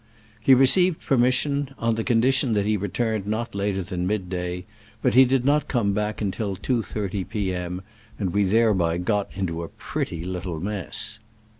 He received per mission, on the condition that he return ed not later than mid day, but he did not come back until 2.30 p. M., and we thereby got into a pretty little mess.